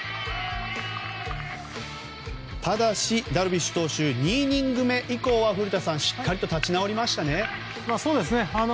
ただし、ダルビッシュ投手２イニング目以降はしっかりと立ち直りましたね古田さん。